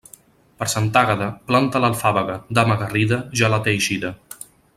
Per Santa Àgueda, planta l'alfàbega; dama garrida, ja la té eixida.